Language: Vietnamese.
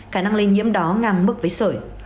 khả năng lây nhiễm đó ngang mức với sợi